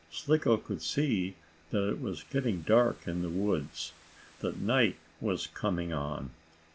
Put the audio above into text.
Slicko could see that it was getting dark in the woods; that night was coming on.